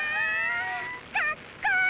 かっこいい！